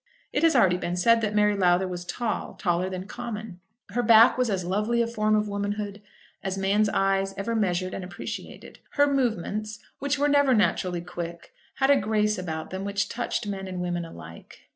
It has already been said that Mary Lowther was tall, taller than common. Her back was as lovely a form of womanhood as man's eye ever measured and appreciated. Her movements, which were never naturally quick, had a grace about them which touched men and women alike.